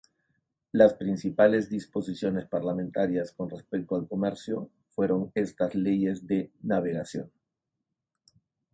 Las principales disposiciones parlamentarias con respecto al comercio fueron estas Leyes de Navegación.